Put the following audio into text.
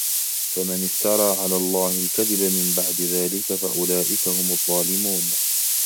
فمن افترى على الله الكذب من بعد ذلك فأولئك هم الظالمون